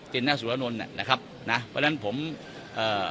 จนหน้าสุรนรนะครับนะเพราะฉะนั้นผมเอ่อ